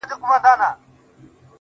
زه چي لـه چــــا سـره خبـري كـوم,